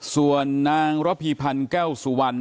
ส่วนนางระพีพันธ์แก้วสุวรรณ